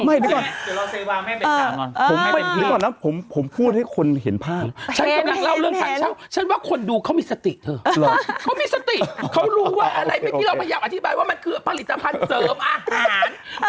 เดี๋ยวก่อนนะผมพูดให้คนเห็นภาพฉันกำลังเล่าเรื่องถังเช่าฉันว่าคนดูเขามีสติเถอะเขามีสติเขารู้ว่าอะไรเมื่อกี้เราพยายามอธิบายว่ามันคือผลิตภัณฑ์เสริมอาหาร